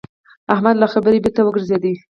احمد له خبرې بېرته وګرځېد.